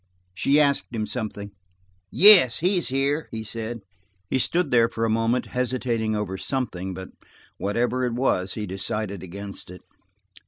She asked him something, for– "Yes, he is here," he said. He stood there for a moment, hesitating over something, but whatever it was, he decided against it.